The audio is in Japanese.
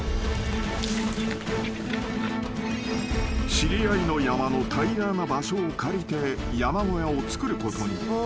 ［知り合いの山の平らな場所を借りて山小屋を造ることに］